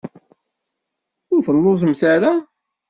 Ur telluẓemt ara?